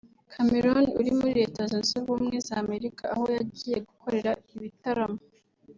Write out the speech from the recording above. Chameleone uri muri Leta Zunze Ubumwe za Amerika aho yagiye gukorera ibitaramo